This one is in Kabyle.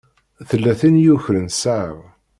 Tella tin i yukren ssaɛa-w.